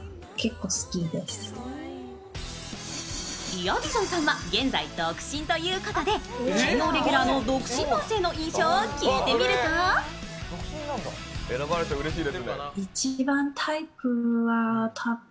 リア・ディゾンさんは現在独身ということで金曜レギュラーの独身男性の印象を聞いてみるとうれしい。